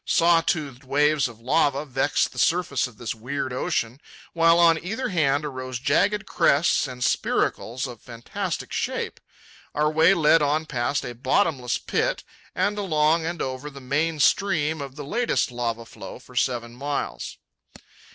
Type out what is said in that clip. Saw toothed waves of lava vexed the surface of this weird ocean, while on either hand arose jagged crests and spiracles of fantastic shape. Our way led on past a bottomless pit and along and over the main stream of the latest lava flow for seven miles.